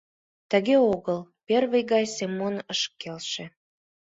— Тыге огыл! — первый гана Семон ыш келше.